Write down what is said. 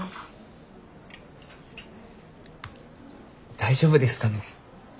大丈夫ですかね。